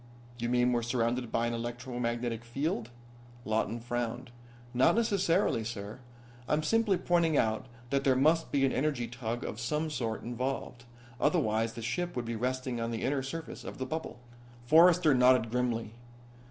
"You mean we're surrounded by an electromagnetic field?" Lawton frowned. "Not necessarily, sir. I'm simply pointing out that there must be an energy tug of some sort involved. Otherwise the ship would be resting on the inner surface of the bubble." Forrester nodded grimly.